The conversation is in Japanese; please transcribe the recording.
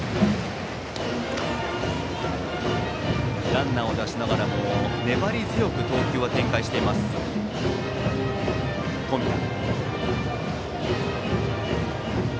ランナーを出しながらも粘り強く投球を展開しています、冨田。